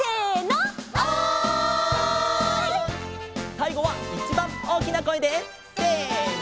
さいごはいちばんおおきなこえでせの！